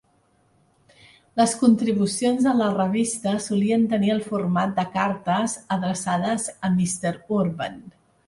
Les contribucions a la revista solien tenir el format de cartes, adreçades a "Mr. Urban".